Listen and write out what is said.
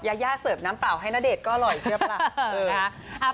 ยาย่าเสิร์ฟน้ำเปล่าให้ณเดชน์ก็อร่อยเชื่อป่ะ